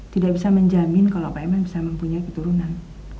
tidak bisa menjamin kalau pak mn bisa mempunyai keturunan